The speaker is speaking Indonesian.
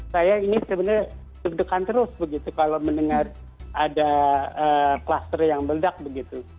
saya ini sebenarnya deg degan terus begitu kalau mendengar ada kluster yang meledak begitu